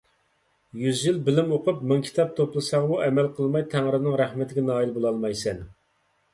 يۈز يىل بىلىم ئوقۇپ مىڭ كىتاب توپلىساڭمۇ ئەمەل قىلماي تەڭرىنىڭ رەھمىتىگە نائىل بولالمايسەن.